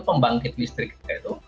pembangkit listrik kita itu